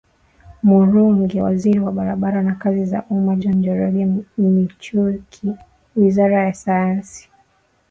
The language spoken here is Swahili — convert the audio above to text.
Murungi Waziri wa barabara na kazi za umma John Njoroge Michuki Waziri wa sayansi